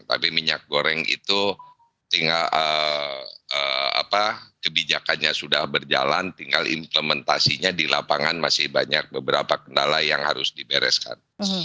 tapi minyak goreng itu kebijakannya sudah berjalan tinggal implementasinya di lapangan masih banyak beberapa kendala yang harus dibereskan